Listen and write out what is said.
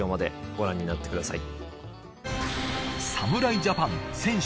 ご覧になってください。